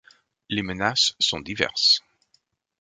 Les menaces sont diverses.